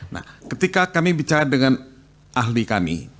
nah ketika kami bicara dengan ahli kami